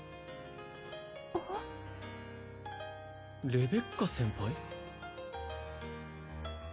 レベッカ先輩？